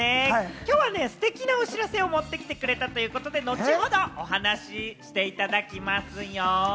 きょうはステキなお知らせを持ってきてくれたということで後ほど、お話していただきますよ。